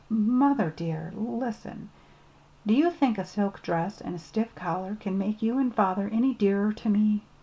"Mother, dear, listen. Do you think a silk dress and a stiff collar can make you and father any dearer to me?